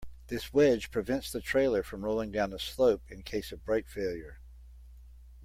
This wedge prevents the trailer from rolling down the slope in case of brake failure.